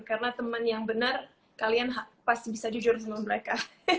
karena teman yang benar kalian pasti bisa jujur dengan mereka